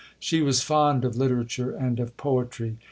She was fond of literature and of poetry.